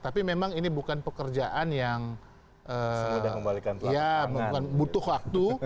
tapi memang ini bukan pekerjaan yang butuh waktu